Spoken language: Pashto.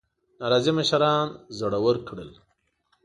ناراضي مشران زړه ورکړل.